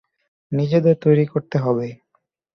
নিজেদের তৈরি করতে হবে।